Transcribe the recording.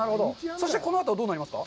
そしてこのあとはどうなりますか？